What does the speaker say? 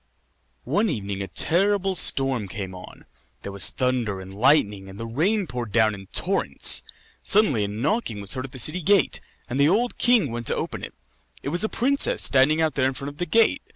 One evening a terrible storm came on; there was thunder and lightning, and the rain poured down in torrents. Suddenly a knocking was heard at the city gate, and the old king went to open it. It was a princess standing out there in front of the gate.